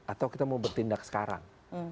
atau kita mau bertindak sekarang